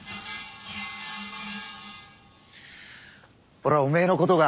・俺はおめえのことが。